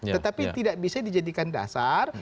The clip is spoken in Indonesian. tetapi tidak bisa dijadikan dasar